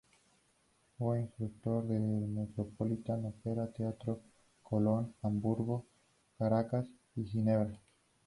Fue instructor en el Metropolitan Opera, Teatro Colón, Hamburgo, Caracas y Ginebra.